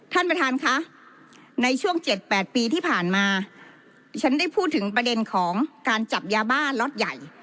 ท่านประธานคะในช่วง๗๘ปีที่ผ่านมาดิฉันได้พูดถึงประเด็นของการจับยาบ้าล็อตใหญ่